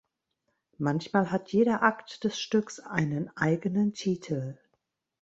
Manchmal hat jeder Akt des Stücks einen eigenen Titel.